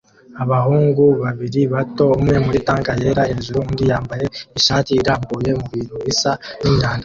Abahungu babiri bato umwe muri tank yera hejuru undi yambaye ishati irambuye mubintu bisa n’imyanda